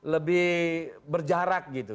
lebih berjarak gitu